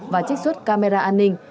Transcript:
và trích xuất camera an ninh